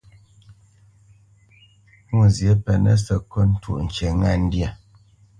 Mwôzyě pɛnǝ́ sǝkôt twóʼ ŋkǐ ŋá ndyâ.